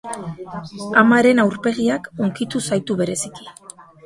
Amaren aurpegiak hunkitu zaitu bereziki.